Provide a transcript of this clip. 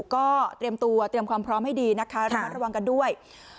ก็เตรียมตัวเตรียมความพร้อมให้ดีนะคะระมัดระวังกันด้วย